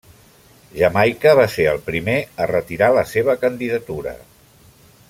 Jamaica va ser el primer a retirar la seva candidatura.